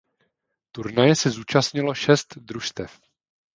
Turnaje se zúčastnilo šest družstev.